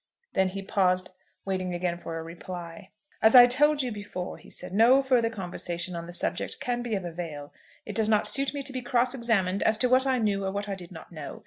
Then he paused, waiting again for a reply. "As I told you before," he said, "no further conversation on the subject can be of avail. It does not suit me to be cross examined as to what I knew or what I did not know.